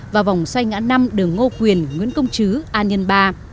và vòng xoay ngã năm đường ngô quyền nguyễn công chứ an nhân ba